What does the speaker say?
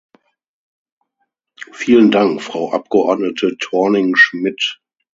Vielen Dank, Frau Abgeordnete ThorningSchmidt.